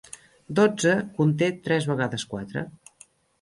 Dotze conté tres vegades quatre.